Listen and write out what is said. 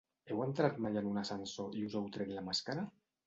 Heu entrat mai en un ascensor i us heu tret la màscara?